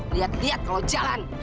liat liat kalau jalan